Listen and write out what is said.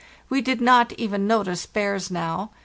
We did not even notice bears now.